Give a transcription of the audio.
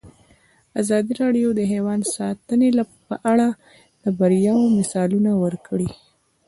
ازادي راډیو د حیوان ساتنه په اړه د بریاوو مثالونه ورکړي.